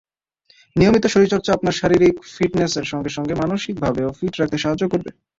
নিয়মিত শরীরচর্চা আপনার শারীরিক ফিটনেসের সঙ্গে সঙ্গে মানসিকভাবেও ফিট রাখতে সাহায্য করবে।